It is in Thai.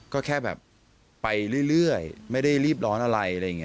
ก็แค่แบบไปเรื่อยไม่ได้รีบร้อนอะไรอะไรอย่างนี้